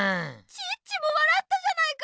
チッチもわらったじゃないか！